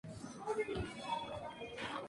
Grito: ¡Dios nos ayude!